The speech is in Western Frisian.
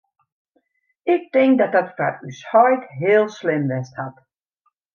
Ik tink dat dat foar ús heit heel slim west hat.